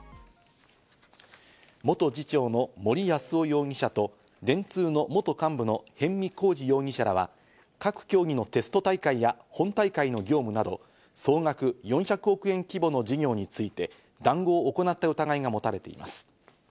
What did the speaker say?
元次長の森泰夫容疑者と電通の元幹部の逸見晃治容疑者らは、各競技のテスト大会や本大会の業務など総額４００億円規模の事業について、談合を行った疑いが持たれています。